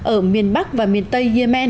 ở miền bắc và miền tây yemen